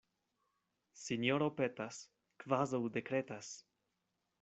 Sinjoro petas, kvazaŭ dekretas.